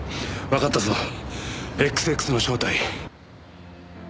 わかったぞＸＸの正体。